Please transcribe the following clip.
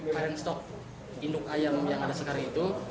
parent stock induk ayam yang ada sekarang itu